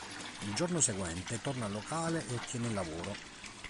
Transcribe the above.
Il giorno seguente torna al locale e ottiene il lavoro.